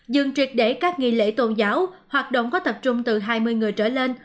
dừng triệt để các nghi lễ tôn giáo hoạt động có tập trung từ hai mươi người trở lên